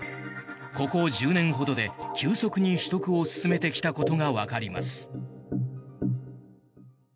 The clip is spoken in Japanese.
ここ１０年ほどで急速に取得を進めてきたことがわかります。